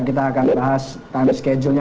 kita akan bahas time schedule nya